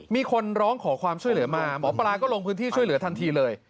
มีคนร้องขอความช่วยเหลือมาหมอปลาก็ลงพื้นที่ช่วยเหลือทันทีเลย